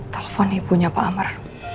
telepon ibunya pak amar